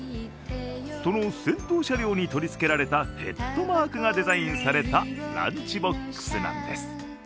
その先頭車両に取りつけられたヘッドマークがデザインされたランチボックスなんです。